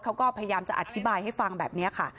เขาก็พยายามจะอธิบายให้ฟังแบบนี้ค่ะ